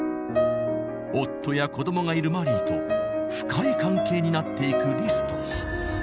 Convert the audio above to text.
夫やこどもがいるマリーと深い関係になっていくリスト。